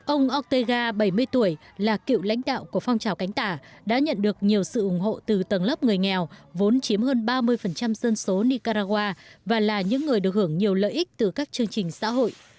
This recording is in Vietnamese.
ông otega bảy mươi tuổi là cựu lãnh đạo của phong trào cánh tả đã nhận được nhiều sự ủng hộ từ tầng lớp người nghèo vốn chiếm hơn ba mươi dân số nicaragua và là những người được hưởng nhiều lợi ích từ các chương trình xã hội